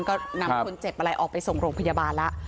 ก็นำคนเจ็บอะไรออกไปส่งโรงพยาบาลแล้ว